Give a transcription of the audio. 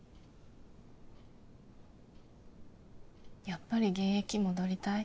やっぱり現役戻りたい？